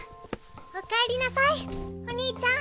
おかえりなさいお兄ちゃん。